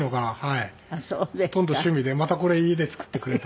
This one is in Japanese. ほとんど趣味で「またこれ家で作ってくれ」とか。